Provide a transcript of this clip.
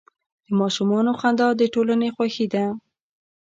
د ماشومانو خندا د ټولنې خوښي ده.